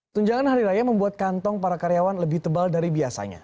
tunjangan hari raya membuat kantong para karyawan lebih tebal dari biasanya